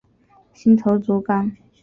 新头足纲。